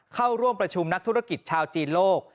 เข้าร่วมประชุมนักธุรกิจชาวจีนโลก